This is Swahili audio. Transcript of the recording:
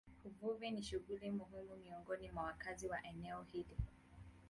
Uvuvi ni shughuli muhimu miongoni mwa wakazi wa eneo hili.